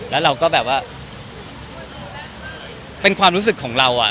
แล้วเราก็แบบว่าเป็นความรู้สึกของเราอ่ะ